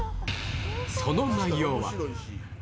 その内容は。